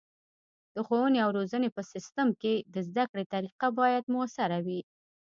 د ښوونې او روزنې په سیستم کې د زده کړې طریقه باید مؤثره وي.